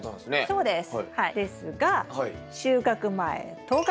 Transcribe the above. そうです。